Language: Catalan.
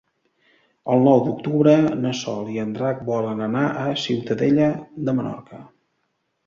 El nou d'octubre na Sol i en Drac volen anar a Ciutadella de Menorca.